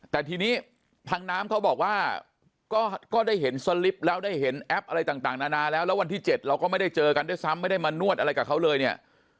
แต่ทีนี้ทางน้ำเขาบอกว่าก็ได้เห็นสลิปแล้วได้เห็นแอปอะไรต่างนานาแล้วแล้ววันที่๗เราก็ไม่ได้เจอกันด้วยซ้ำไม่ได้มานวดอะไรกับเขาเลยเนี่ย